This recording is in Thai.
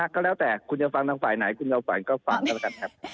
ก็แล้วแต่คุณจะฟังทางฝ่ายไหนคุณเราฝันก็ฟังกันแล้วกันครับ